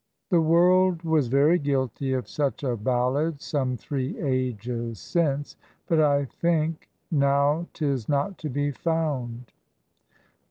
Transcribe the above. "The world was very guilty of such a ballad some three ages since; but, I think, now 'tis not to be found."